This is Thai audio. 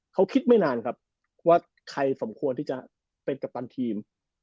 เขาคิดไม่นานครับว่าใครสมควรที่จะเป็นกัปตันทีม